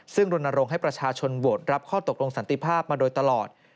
ซึ่งรณรงค์ให้ประชาชนโหวตรับข้อตกลงสันติภาพมาโดยตลอด